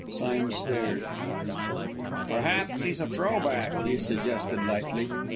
Sime stared. "Perhaps he's a throw back," he suggested lightly.